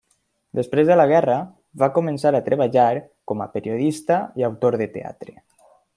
Després de la guerra, va començar a treballar com a periodista i autor de teatre.